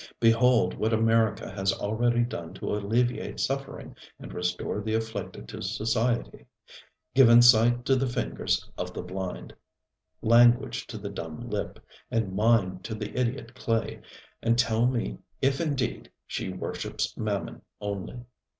Behold what America has already done to alleviate suffering and restore the afflicted to society given sight to the fingers of the blind, language to the dumb lip, and mind to the idiot clay, and tell me if indeed she worships Mammon only.